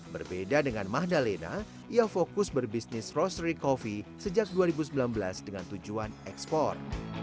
berbeda dengan mahdalena ia fokus berbisnis roastery coffee sejak dua ribu sembilan belas dengan tujuan ekspor